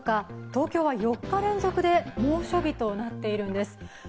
東京は４日連続で猛暑日となっているんです。